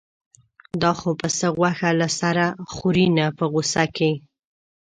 دا خو پسه غوښه له سره خوري نه په غوسه کې.